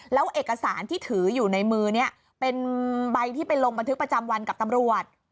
แล้วเอกสารที่ถืออยู่ในมือนี้เป็นใบที่ไปลงบันทึกประจำวันกับตำรวจ